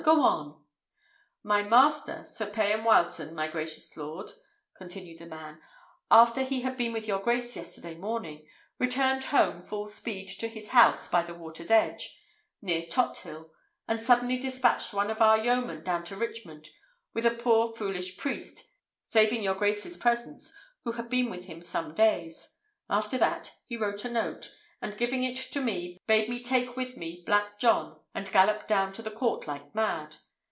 Go on." "My master, Sir Payan Wileton, my gracious lord," continued the man, "after he had been with your grace yesterday morning, returned home full speed to his house by the water's edge, near Tothill, and suddenly dispatched one of our yeomen down to Richmond with a poor foolish priest, saving your grace's presence, who had been with him some days. After that, he wrote a note, and giving it to me, bade me take with me Black John, and gallop down to the court like mad.